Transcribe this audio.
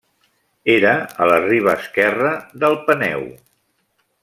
Era a la riba esquerra del Peneu.